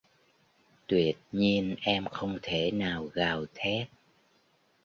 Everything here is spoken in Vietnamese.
tuyệt nhiên em không thể nào gào thét